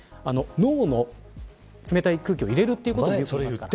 脳に冷たい空気を入れるということが。